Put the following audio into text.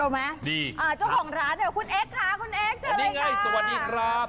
สวัสดีครับ